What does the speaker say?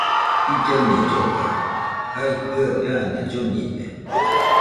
Illaiño lloga, jae jɨaɨ raana llonide